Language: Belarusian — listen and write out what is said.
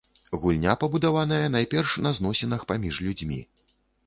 Гульня пабудаваная найперш на зносінах паміж людзьмі.